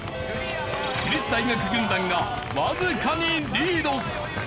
私立大学軍団がわずかにリード。